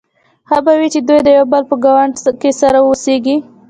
ښه به وي چې دوی د یو بل په ګاونډ کې سره واوسيږي.